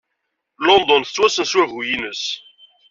London tettwassen s wagu-nnes.